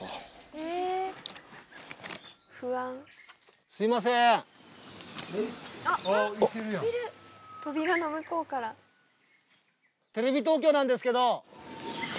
こんにちはテレビ東京なんですけど。